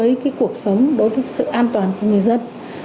đối với cuộc sống đối với sự an toàn của người dân